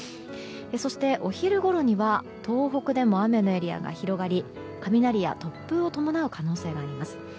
そして、お昼ごろには東北でも雨のエリアが広がり雷や突風を伴う可能性があります。